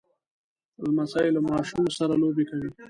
لمسی له ماشومو سره لوبې کوي.